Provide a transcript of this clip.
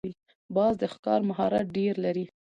باز د ښکار مهارت ډېر لري